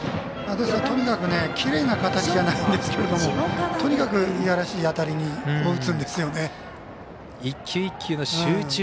とにかくきれいな形じゃないんですけれどもとにかくいやらしい当たりを打つんですよね。